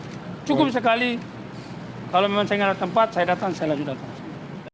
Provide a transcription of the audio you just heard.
hercules menyatakan jika dirinya siap datang ke kpk namun saat ini sedang berada di luar kota